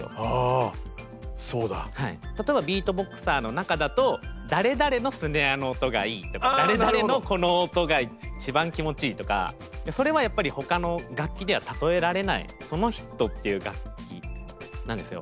例えばビートボクサーの中だと誰々のスネアの音がいいとか誰々のこの音が一番気持ちいいとかそれはやっぱりほかの楽器では例えられないその人っていう楽器なんですよ。